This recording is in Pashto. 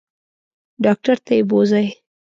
ډاکټر ته یې بوزئ.